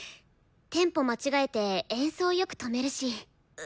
テンポ間違えて演奏よく止めるし。